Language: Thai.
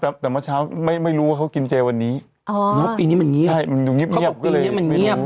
แต่แต่เมื่อเช้าไม่ไม่รู้ว่าเค้ากินเจวันนี้อ๋อปีนี้มันเงียบเค้าบอกปีนี้มันเงียบ